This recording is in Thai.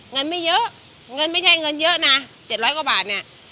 เงินไม่เยอะเงินไม่ใช่เงินเยอะนะ๗๐๐กว่าบาทเนี่ย